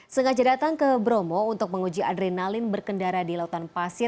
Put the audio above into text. sengaja datang ke bromo untuk menguji adrenalin berkendara di lautan pasir